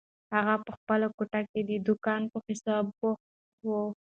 اغا په خپله کوټه کې د دوکان په حسابونو بوخت و.